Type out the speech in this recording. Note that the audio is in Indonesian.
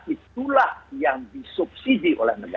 itulah yang disubsidi